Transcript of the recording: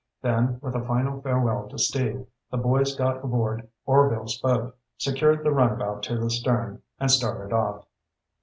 Then, with a final farewell to Steve, the boys got aboard Orvil's boat, secured the runabout to the stern, and started off.